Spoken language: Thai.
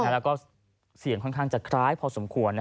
แล้วก็เสียงค่อนข้างจะคล้ายพอสมควร